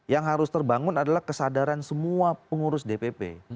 yang harus terbangun adalah kesadaran semua pengurus dpp